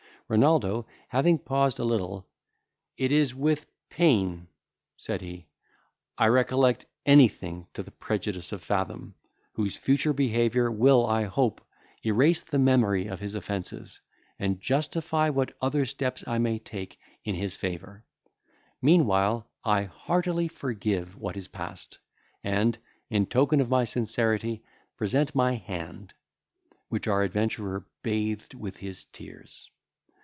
Renaldo having paused a little, "It is with pain," said he, "I recollect anything to the prejudice of Fathom, whose future behaviour will, I hope, erase the memory of his offences, and justify what other steps I may take in his favour. Meanwhile, I heartily forgive what is past; and, in token of my sincerity, present my hand;" which our adventurer bathed with his tears.